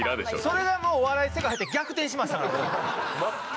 それがお笑いの世界入って逆転しましたからね。